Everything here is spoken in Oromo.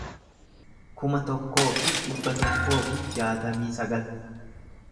kuma tokkoo fi dhibba tokkoo fi jaatamii sagal